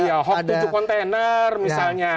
iya ada hot tujuh container misalnya